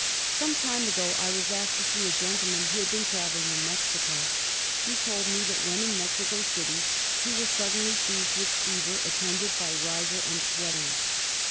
Some time ago I was asked to see a gentleman who had been travelling in Mexico. He told me that when in Mexico City he was suddenly seized with fever at tended by rigor and sweatings.